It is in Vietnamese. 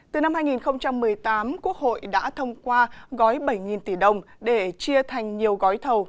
từ năm hai nghìn một mươi tám quốc hội đã thông qua gói bảy tỷ đồng để chia thành nhiều gói thầu